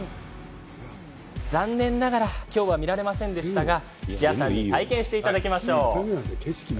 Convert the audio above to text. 残念ながら今日は見られませんが土屋さんに体験していただきましょう。